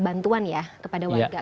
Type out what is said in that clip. bantuan ya kepada warga